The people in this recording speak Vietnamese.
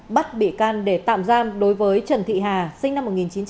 bắt bị can để tạm giam đối với trần thị hà sinh năm một nghìn chín trăm tám mươi